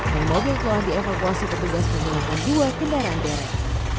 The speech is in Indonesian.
dan mojo telah dievakuasi ketiga sepuluh orang jiwa kendaraan jaring